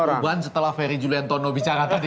jadi ada perubahan setelah ferry juliantono bicara tadi